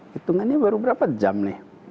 hitungannya baru berapa jam nih